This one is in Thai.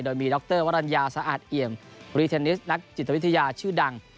โดยมีดรวรรณยาสะอาดเอี่ยมรีเทนนิสนักจิตวิทยาชื่อดัง